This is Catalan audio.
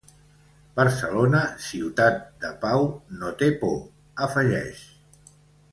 Barcelona ciutat de pau, no té por, afegeix.